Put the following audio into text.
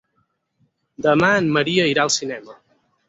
Demà en Maria irà al cinema.